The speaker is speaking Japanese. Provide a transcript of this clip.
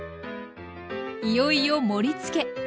いよいよ盛りつけ。